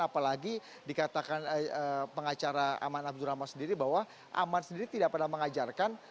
apalagi dikatakan pengacara aman abdurrahman sendiri bahwa aman sendiri tidak pernah mengajarkan